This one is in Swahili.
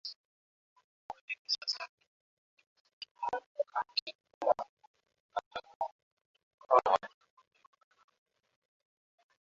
Kwa hivyo sasa anageukia mkakati wa kuweka taka kwenye vituo vya watu ili kujaribu kuvunja